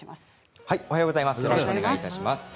おはようございます。